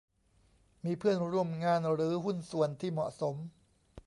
มีเพื่อนร่วมงานหรือหุ้นส่วนที่เหมาะสม